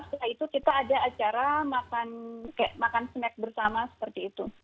setelah itu kita ada acara makan snack bersama seperti itu